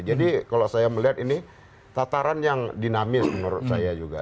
jadi kalau saya melihat ini tataran yang dinamis menurut saya juga